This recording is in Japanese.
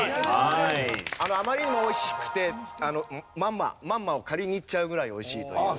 あまりにも美味しくてまんままんまを借りに行っちゃうぐらい美味しいという。